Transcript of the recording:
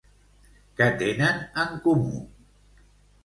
Què tenen en comú?